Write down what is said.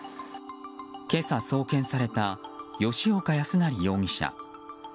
今朝送検された吉岡康成容疑者。